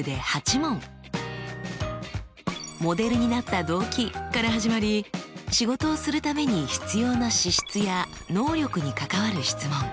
モデルになった動機から始まり仕事をするために必要な資質や能力に関わる質問。